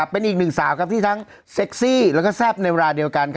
เป็นอีกหนึ่งสาวที่ทั้งเซ็กซี่แล้วก็แซ่บในเวลาเดียวกัน